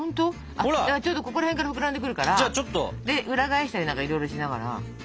じゃあちょっとここら辺から膨らんでくるから裏返したりなんかいろいろしながら。